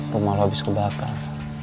rumah lo abis kebakar